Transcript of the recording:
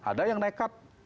ada yang nekat